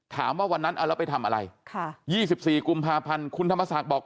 วันนั้นเอาแล้วไปทำอะไร๒๔กุมภาพันธ์คุณธรรมศักดิ์บอก